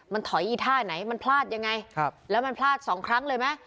มันถอยอีท่าไหนมันพลาดยังไงแล้วมันพลาดสองครั้งเลยไหม